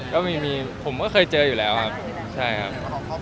ผมครับผมก็เคยเจออยู่แล้วครับ